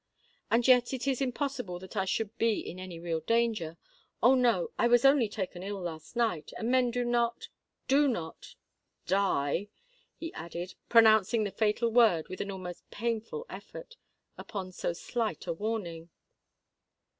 "And yet it is impossible that I should be in any real danger! Oh! no—I was only taken ill last night; and men do not—do not—die," he added, pronouncing the fatal word with a most painful effort, "upon so slight a warning."